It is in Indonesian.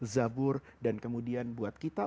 zabur dan kemudian buat kita